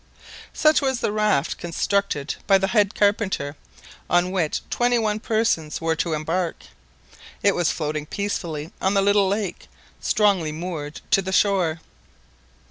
Such was the raft constructed by the head carpenter, on which twenty one persons were to embark. It was floating peacefully on the little lake, strongly moored to the shore.